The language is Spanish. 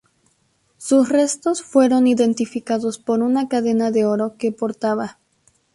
Sus restos fueron identificados por una cadena de oro que portaba.